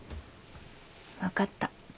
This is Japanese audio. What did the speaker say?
分かった。